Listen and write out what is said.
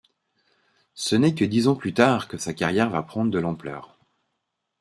Ce n'est que dix ans plus tard que sa carrière va prendre de l'ampleur.